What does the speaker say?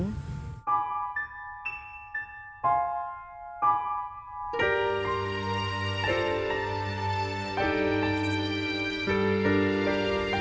ธนาฬิการ์